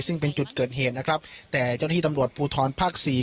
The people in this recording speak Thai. ซึ่งเป็นจุดเกิดเหตุนะครับแต่เจ้าหน้าที่ตำรวจภูทรภาคสี่